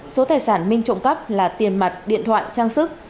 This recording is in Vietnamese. số tài sản minh trộm cắp là tiền mặt điện thoại trang sức